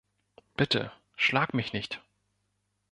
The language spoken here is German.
Bitte, schlag mich nicht.